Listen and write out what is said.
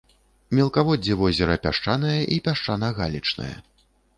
Мелкаводдзе возера пясчанае і пясчана-галечнае.